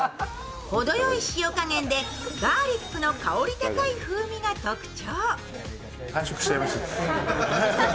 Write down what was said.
程よい塩加減でガーリックの香り高い風味が特徴。